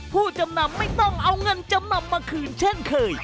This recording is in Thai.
ผู้จำนำไม่ต้องเอาเงินจำนำมาคืนเช่นเคย